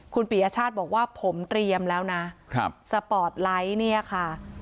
คุณปียชาติบอกว่าผมเตรียมแล้วนะสปอร์ตไลท์เนี่ยค่ะ